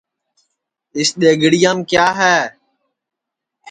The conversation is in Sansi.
اِس دؔیگڑِیام کِیا ہے